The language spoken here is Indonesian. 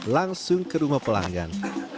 langsung ke rumah pelanggan